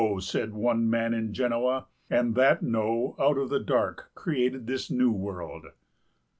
said one man in Genoa, and that No Out of the dark created this New World.